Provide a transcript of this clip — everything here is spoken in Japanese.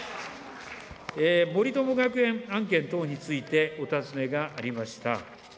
森友学園案件等についてお尋ねがありました。